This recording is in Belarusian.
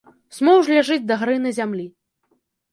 Смоўж ляжыць дагары на зямлі.